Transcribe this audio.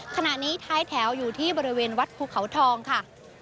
ขณะนี้ท้ายแถวอยู่ที่บริเวณวัดภูเขาทองค่ะ